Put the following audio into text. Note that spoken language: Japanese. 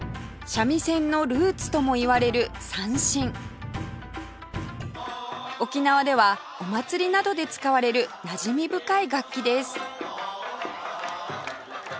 三味線のルーツともいわれる三線沖縄ではお祭りなどで使われるなじみ深い楽器です